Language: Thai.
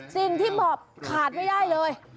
สิ่งที่ขาดไม่ได้เลย